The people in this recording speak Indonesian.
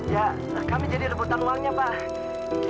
ya nah kami jadi rebutan uangnya pak